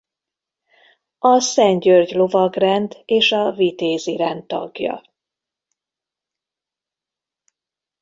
A Szent György lovagrend és a Vitézi rend tagja.